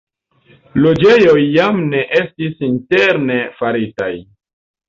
Loĝejoj jam ne estis interne faritaj.